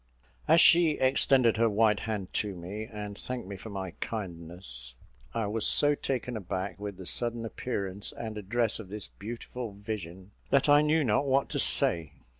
As she extended her white hand to me, and thanked me for my kindness, I was so taken aback with the sudden appearance and address of this beautiful vision, that I knew not what to say.